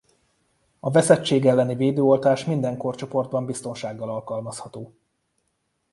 A veszettség elleni védőoltás minden korcsoportban biztonsággal alkalmazható.